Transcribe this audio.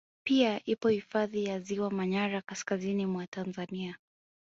Pia ipo hifadhi ya Ziwa manyara kaskazini mwa Tanzania